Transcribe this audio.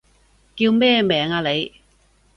叫咩名啊你？